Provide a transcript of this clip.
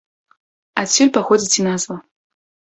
Адсюль паходзіць і назва.